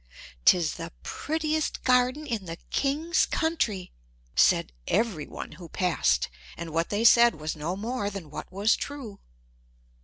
"'Tis the prettiest garden in the king's country," said every one who passed; and what they said was no more than what was true.